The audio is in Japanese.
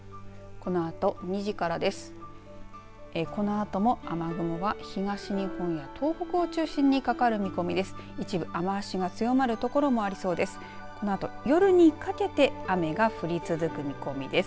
このあとも雨雲は東日本や東北を中心にかかる見込みです。